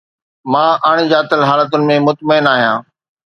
مان اڻڄاتل حالتن ۾ مطمئن آهيان